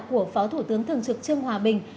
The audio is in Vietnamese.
của phó thủ tướng thường trực trương hòa bình